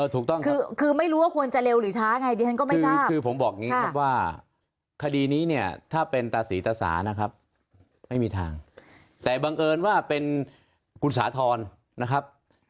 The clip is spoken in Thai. ถูกต้องครับคือไม่รู้ว่าควรจะเร็วหรือช้าไงดิฉันก็ไม่ทราบคือผมบอกอย่างนี้ครับว่าคดีนี้เนี่ยถ้าเป็นตาสีตาสานะครับไม่มีทางแต่บังเอิญว่าเป็นคุณสาธรณ์นะครับ